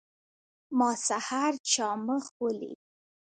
ما سحر چا مخ ولید.